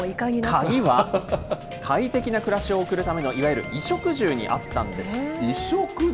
鍵は快適な暮らしを送るための衣食住にあったんです。